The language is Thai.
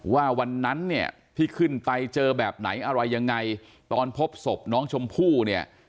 ว่าวันนั้นเนี่ยที่ขึ้นไปเจอแบบไหนอะไรยังไงตอนพบศพน้องชมพู่เนี่ย